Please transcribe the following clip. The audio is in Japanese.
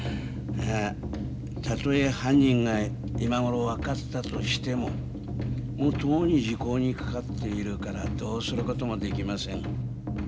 たとえ犯人が今頃分かったとしてもとうに時効にかかっているからどうする事もできません。